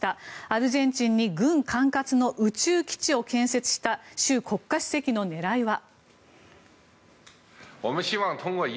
アルゼンチンに軍管轄の宇宙基地を建設した習国家主席の狙いは。